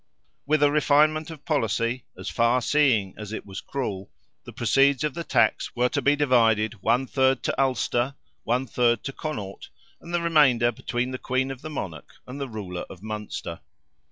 With a refinement of policy, as far seeing as it was cruel, the proceeds of the tax were to be divided one third to Ulster, one third to Connaught, and the remainder between the Queen of the Monarch and the ruler of Munster.